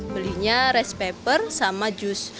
belinya rice paper sama jus